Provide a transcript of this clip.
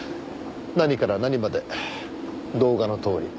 何から何まで動画のとおり。